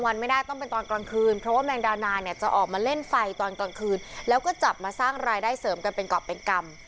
วันไม่ได้ต้องเป็นตอนกลางคืนเพราะว่าแมงดานาเนี่ยจะออกมาเล่นไฟตอนกลางคืนแล้วก็จับมาสร้างรายได้เสริมกันเป็นเกาะเป็นกรรม